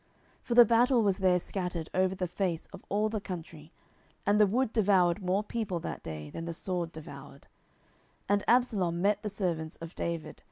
10:018:008 For the battle was there scattered over the face of all the country: and the wood devoured more people that day than the sword devoured. 10:018:009 And Absalom met the servants of David.